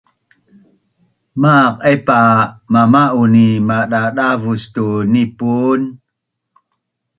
Maaq aipaa mamaun i madadavus tu nipun